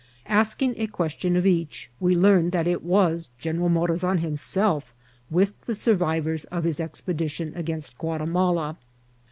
Asking a question of each, we learned that it was General Morazan himself, with the survivers of his expedition against Guatimala.